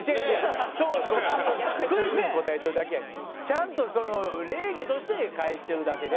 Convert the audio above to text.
ちゃんと礼儀として返してるだけで。